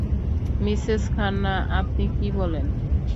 Mrs Khanna, আপনি কি বলেন?